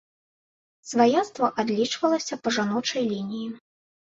Сваяцтва адлічвалася па жаночай лініі.